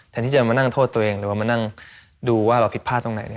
ที่จะมานั่งโทษตัวเองหรือว่ามานั่งดูว่าเราผิดพลาดตรงไหน